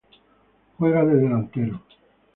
Juega de delantero